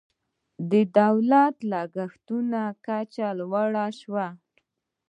د دولت لګښتونو کچه لوړه شوه.